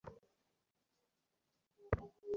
সোজা হয়ে দাঁড়াও পুরুষের মতো!